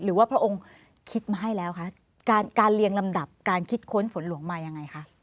หรือว่าพระองค์คิดมาให้แล้วคะการเรียนอันดับการคิดค้นฝนหลวงมายังไงคะ